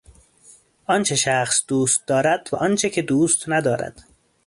آنچه شخص دوست دارد و آنچه که دوست ندارد.